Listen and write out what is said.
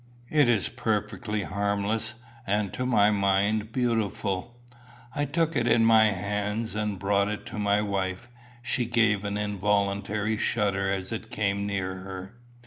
It is perfectly harmless, and, to my mind, beautiful." I took it in my hands, and brought it to my wife. She gave an involuntary shudder as it came near her.